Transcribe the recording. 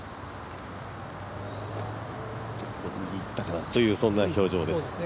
ちょっと右行ったかなという表情です。